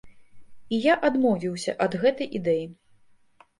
І я адмовіўся ад гэтай ідэі.